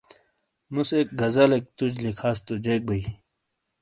مس اک غزلیک تُج لکھاس تو جیک بئیی۔